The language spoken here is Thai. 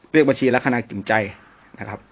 เรียกบัญชีรัฐนาคติ่มใจนะครับ